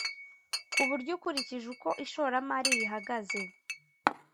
Ku buryo ukurikije uko ishoramari rihagaze